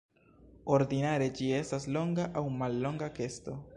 Ordinare ĝi estas longa aŭ mallonga kesto.